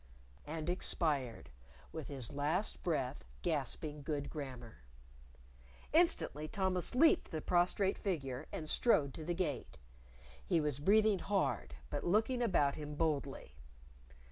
And expired, with his last breath gasping good grammar. Instantly Thomas leaped the prostrate figure and strode to the Gate. He was breathing hard, but looking about him boldly.